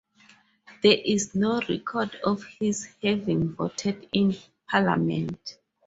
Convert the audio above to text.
There is no record of his having voted in Parliament.